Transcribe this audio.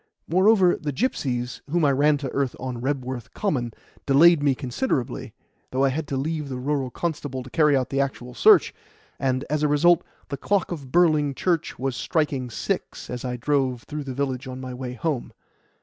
Moreover, the gipsies, whom I ran to earth on Rebworth Common, delayed me considerably, though I had to leave the rural constable to carry out the actual search, and, as a result, the clock of Burling Church was striking six as I drove through the village on my way home.